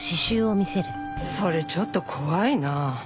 それちょっと怖いな。